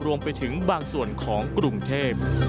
รวมไปถึงบางส่วนของกรุงเทพ